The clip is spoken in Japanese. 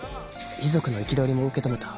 遺族の憤りも受け止めた。